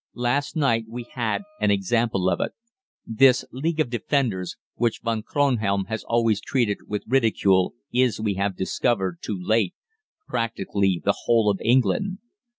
"Last night we had an example of it. This League of Defenders, which Von Kronhelm has always treated with ridicule, is, we have discovered too late, practically the whole of England.